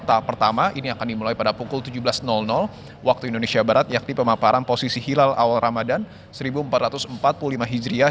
tahap pertama ini akan dimulai pada pukul tujuh belas waktu indonesia barat yakni pemaparan posisi hilal awal ramadan seribu empat ratus empat puluh lima hijriah